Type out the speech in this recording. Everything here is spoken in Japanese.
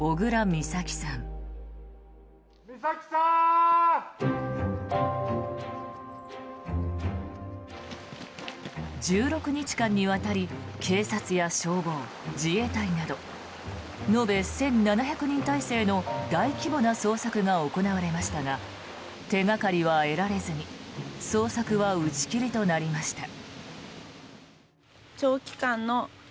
美咲ちゃん！１６日間にわたり警察や消防、自衛隊など延べ１７００人態勢の大規模な捜索が行われましたが手掛かりは得られずに捜索は打ち切りとなりました。